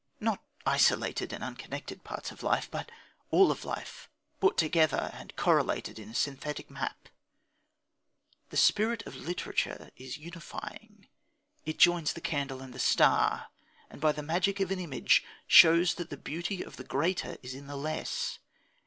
Not isolated and unconnected parts of life, but all of life, brought together and correlated in a synthetic map! The spirit of literature is unifying; it joins the candle and the star, and by the magic of an image shows that the beauty of the greater is in the less.